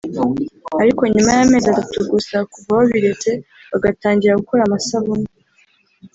ariko nyuma y’amezi atatu gusa kuva babiretse bagatangira gukora amasabune